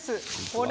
これ！